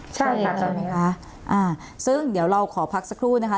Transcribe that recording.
ใช่ค่ะใช่ไหมคะอ่าซึ่งเดี๋ยวเราขอพักสักครู่นะคะ